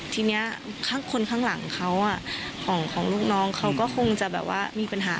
ทีนี้ข้างคนข้างหลังเขาของลูกน้องเขาก็คงจะแบบว่ามีปัญหา